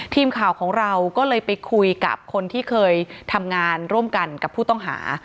ทีมข่าวของเราก็เลยไปคุยกับคนที่เคยทำงานร่วมกันกับผู้ต้องหา